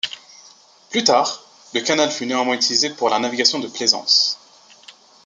Plus tard, le canal fut néanmoins utilisé pour la navigation de plaisance.